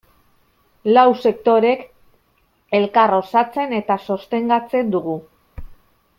Lau sektoreek elkar osatzen eta sostengatzen dugu.